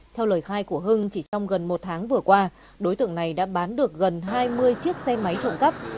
theo lời khai của hưng chỉ trong gần một tháng vừa qua đối tượng này đã bán được gần hai mươi chiếc xe máy trộm cắp